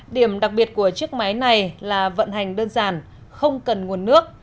điểm đặc biệt của chiếc máy này là vận hành đơn giản không cần nguồn nước